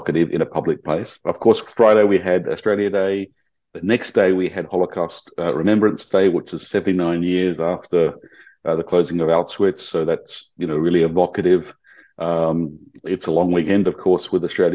jadi dari pandang mereka ini adalah waktu ketika orang orang menerima perhatian kepada orang orang yang melakukan penyelamatan seperti ini